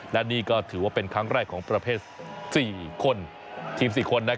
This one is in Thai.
และนี่ก็ถือว่าเป็นครั้งแรกของประเภท๔คนทีม๔คน